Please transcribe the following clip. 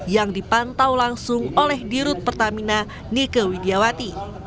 yang dipantau langsung oleh dirut pertamina nike widiawati